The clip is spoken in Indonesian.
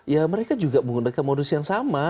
ya mereka juga menggunakan modus yang sama